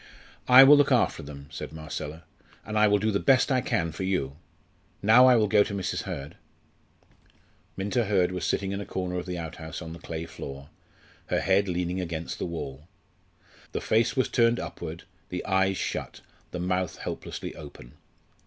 "I will look after them," said Marcella, "and I will do the best I can for you. Now I will go to Mrs. Hurd." Minta Hurd was sitting in a corner of the outhouse on the clay floor, her head leaning against the wall. The face was turned upward, the eyes shut, the mouth helplessly open.